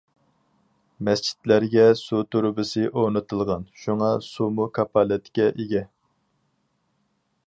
مەسچىتلەرگە سۇ تۇرۇبىسى ئورنىتىلغان، شۇڭا سۇمۇ كاپالەتكە ئىگە.